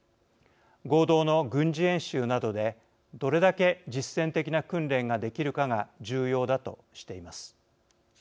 合同の軍事演習などでどれだけ実戦的な訓練ができるかが重要だ」としています。